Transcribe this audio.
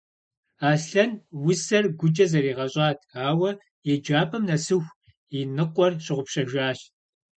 Аслъэн усэр гукӏэ зэригъэщӏат, ауэ еджапӏэм нэсыху и ныкъуэр щыгъупщэжащ.